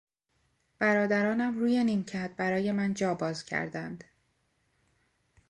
برادرانم روی نیمکت برای من جا باز کردند.